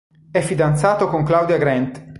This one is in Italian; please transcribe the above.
È fidanzato con Claudia Grant.